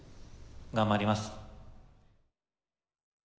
頑張ります。